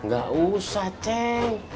gak usah ceng